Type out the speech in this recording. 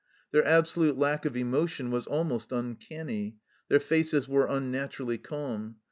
Their absolute lack of emotion was almost uncanny ; their faces were unnaturally calm.